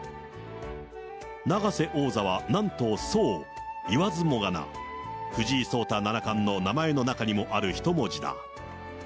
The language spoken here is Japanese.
永瀬王座は、なんと聡、言わずもがな、藤井聡太七冠の名前の中にもある一文字だ。